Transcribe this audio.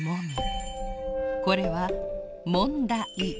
これはもんだ「い」。